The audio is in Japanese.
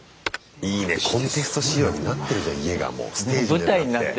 いいねコンテスト仕様になってるじゃん家がもうステージになって。